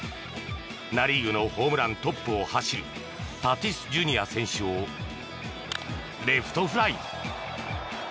ナ・リーグのホームラントップを走るタティスＪｒ．選手をレフトフライ。